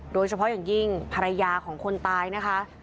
โดยเฉพาะอย่างยิ่งภรรยาของคนตายนะคะ